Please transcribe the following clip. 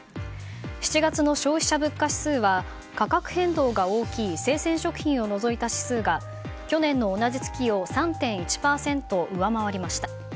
７月の消費者物価指数は価格変動が大きい生鮮食品を除いた指数が去年の同じ月を３．１％上回りました。